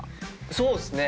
そうですね。